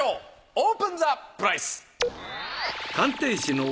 オープンザプライス！